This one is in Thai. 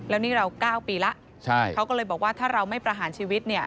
แล้วนี่เรา๙ปีแล้วเขาก็เลยบอกว่าถ้าเราไม่ประหารชีวิตเนี่ย